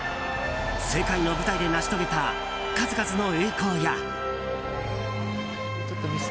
世界の舞台で成し遂げた数々の栄光や。